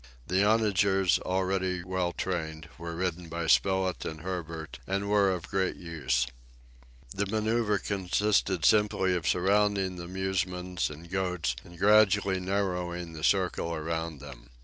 The onagers, already well trained, were ridden by Spilett and Herbert, and were of great use. The maneuver consisted simply in surrounding the musmons and goats, and gradually narrowing the circle around them.